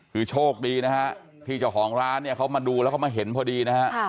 คือโชคดีนะฮะที่เจ้าของร้านเนี่ยเขามาดูแล้วเขามาเห็นพอดีนะฮะ